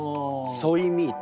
ソイミート。